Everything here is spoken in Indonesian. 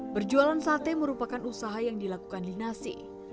berjualan sate merupakan usaha yang dilakukan lina syi